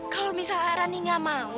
kalau misalnya rani gak mau